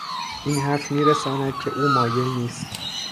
این حرف میرساند که او مایل نیست